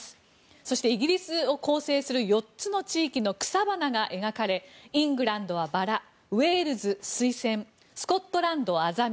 そして、イギリスを構成する４つの地域の草花が描かれイングランドはバラウェールズ、スイセンスコットランド、アザミ